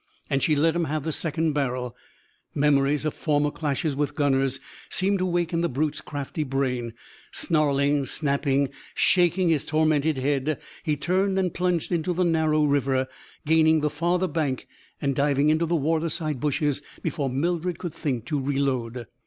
And she let him have the second barrel. Memories of former clashes with gunners seemed to wake in the brute's crafty brain. Snarling, snapping, shaking his tormented head, he turned and plunged into the narrow river; gaining the farther bank and diving into the waterside bushes before Mildred could think to reload.